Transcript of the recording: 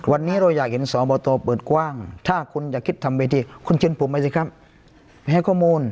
วันนี้เราอยากเห็นสอบตเปิดกว้างถ้าคุณอยากคิดทำเวทีคุณเชิญผมไปสิครับให้ข้อมูล